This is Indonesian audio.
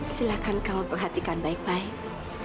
silahkan kamu perhatikan baik baik